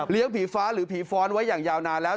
ผีฟ้าหรือผีฟ้อนไว้อย่างยาวนานแล้ว